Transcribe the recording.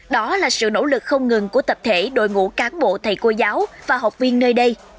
đó là sự nỗ lực không ngừng của tập thể đội ngũ cán bộ thầy cô giáo và học viên nơi đây